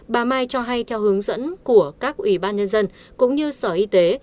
bà mai cho hay theo hướng dẫn của các ủy ban nhân dân cũng như sở y tế